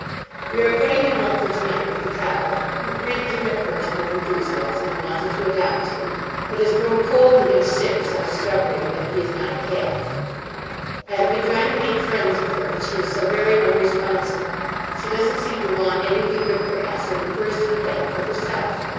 We are putting him up for to night with the cow, who greeted him at first with enthusiasm and wanted to adopt him, but has grown cold to him since on discovering that he is not a calf. I have been trying to make friends with her, but she is so very unresponsive. She doesn't seem to want anything but grass, and prefers to get that for herself.